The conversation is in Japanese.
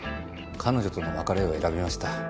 彼女との別れを選びました。